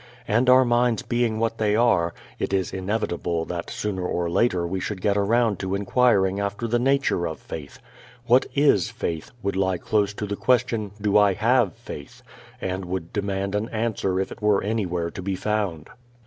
And our minds being what they are, it is inevitable that sooner or later we should get around to inquiring after the nature of faith. What is faith? would lie close to the question, Do I have faith? and would demand an answer if it were anywhere to be found.